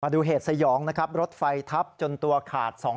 มาดูเหตุสยองรถไฟทับจนตัวขาด๒ท่อน